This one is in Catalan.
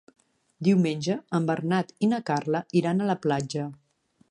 Diumenge en Bernat i na Carla iran a la platja.